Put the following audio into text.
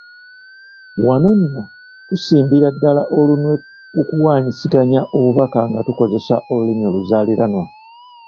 Wano nno tusimbira ddala olunwe ku kuwaanyisiganya obubaka nga tukozesa olulimi oluzaaliranwa.